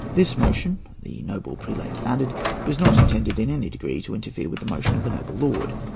This motion, the most reverend prelate added, was not intended in any degree to interfere with the motion of the noble lord.